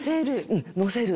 うんのせる。